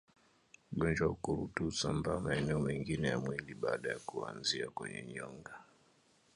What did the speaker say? Ugonjwa wa ukurutu husambaa maeneo mengine ya mwili baada ya kuanzia kwenye nyonga